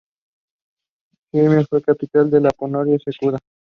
Sirmio fue capital de la "Pannonia Secunda".